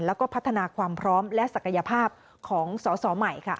แล้วก็พัฒนาความพร้อมและศักยภาพของสอสอใหม่